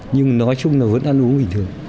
nhưng nói chung nó vẫn ăn uống bình thường